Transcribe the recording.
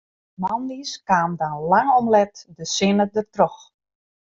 De moandeis kaam dan lang om let de sinne dertroch.